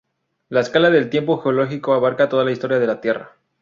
La escala del tiempo geológico abarca toda la historia de la Tierra.